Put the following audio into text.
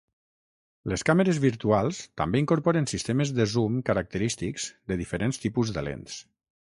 Les càmeres virtuals també incorporen sistemes de zoom característics de diferents tipus de lents.